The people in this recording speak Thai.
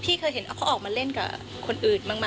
พี่เคยเห็นเค้าออกมาเล่นกับคนอื่นมากเด็ก